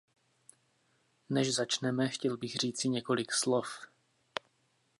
Než začneme, chtěl bych říci několik slov.